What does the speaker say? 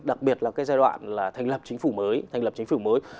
đặc biệt là giai đoạn thành lập chính phủ mới